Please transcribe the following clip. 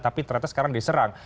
tapi ternyata sekarang diserang